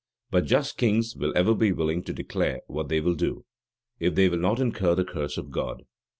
But just kings will ever be willing to declare what they will do, if they will not incur the curse of God.